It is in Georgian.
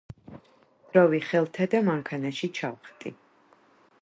დრო ვიხელთე და მანქანაში ჩავხტი.